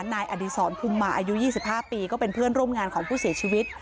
นายอดีศรพุมมาอายุ๒๕ปีก็เป็นเพื่อนร่วมงานของผู้เสียชีวิต